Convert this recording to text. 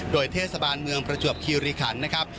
โดยเทศบาลเมืองประจวบคิริขันนะครับ